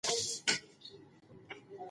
هیڅ کار عیب نه دی.